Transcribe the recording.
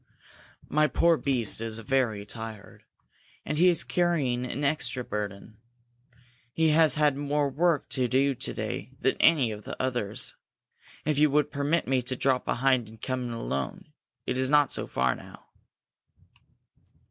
"My poor beast is very tired, and he is carrying an extra burden. He has had more work to do to day than any of the others. If you would permit me to drop behind and come in alone it is not so far now?"